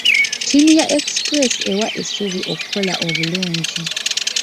Ttiimu ya Express ewa essuubi okukola obulungi.